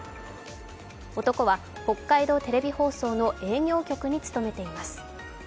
男は北海道テレビ放送の営業局に勤めています。